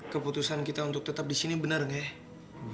keputusan kita untuk tetap disini bener gak ya